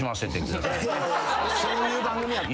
そういう番組やった？